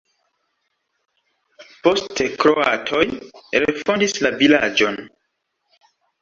Poste kroatoj refondis la vilaĝon.